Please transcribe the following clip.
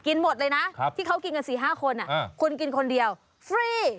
หมดเลยนะที่เขากินกัน๔๕คนคุณกินคนเดียวฟรี